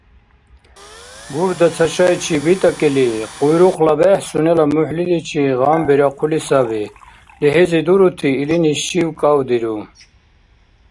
Гурда цашайчи битӀакӀили. Къуйрукъла бехӀ сунела мухӀлиличи гъамбирахъули саби. ЛихӀизи дурути илини шив-кӀавдиру.